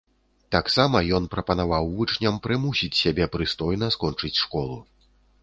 Таксама ён прапанаваў вучням прымусіць сябе прыстойна скончыць школу.